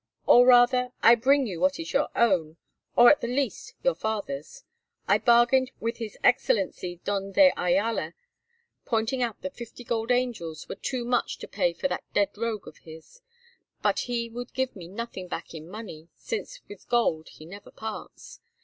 Or, rather, I bring you what is your own, or at the least your father's. I bargained with his Excellency Don de Ayala, pointing out that fifty gold angels were too much to pay for that dead rogue of his; but he would give me nothing back in money, since with gold he never parts.